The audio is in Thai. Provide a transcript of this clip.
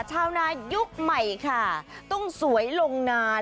ชาวนายุคใหม่ค่ะต้องสวยลงนาน